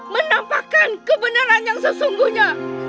menampakan kebenaran yang sebelumnya